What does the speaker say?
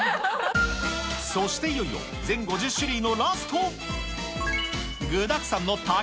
そしていよいよ全５０種類のラスト。